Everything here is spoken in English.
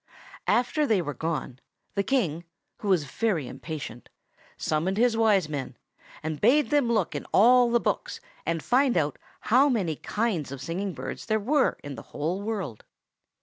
After they were gone, the King, who was very impatient, summoned his Wise Men, and bade them look in all the books, and find out how many kinds of singing birds there were in the world.